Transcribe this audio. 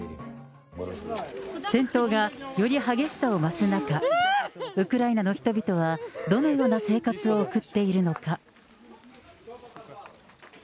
戦闘がより激しさを増す中、ウクライナの人々は、どのような生活を送っているのか。